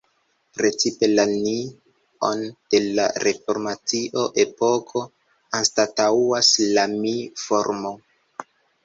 Precipe la "ni"-on de la reformacio-epoko anstataŭas la "mi"-formo.